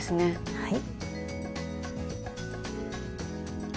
はい。